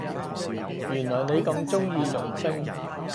原來你咁鍾意傭兵